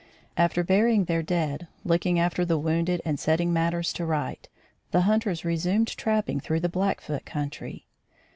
After burying their dead, looking after the wounded and setting matters to rights, the hunters resumed trapping through the Blackfoot country.